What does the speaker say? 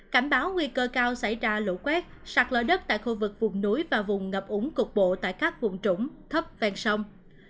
cảnh báo nguy cơ cao xảy ra lũ quét sạt lở đất tại khu vực vùng núi và vùng ngập úng cục bộ tại các vùng trũng thấp ven sông